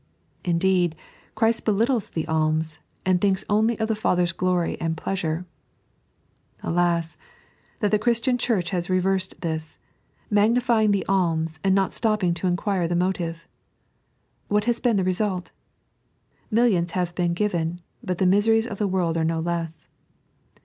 Indeed, Christ belittles the alms, and thinks only of the Father's gloiy and pleasure. Alas I that the Christian Church has reversed this, magnifying the alms, and not stopping to inquire the motive. What has been the result ? Millions have been given, but the miseries of the world are no less.